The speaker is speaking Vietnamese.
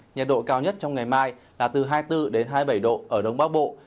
nhiệt độ cao nhất trong ngày mai là từ hai mươi bốn đến hai mươi bảy độ ở đông bắc bộ